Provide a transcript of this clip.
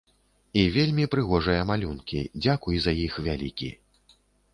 І вельмі прыгожыя малюнкі, дзякуй за іх вялікі.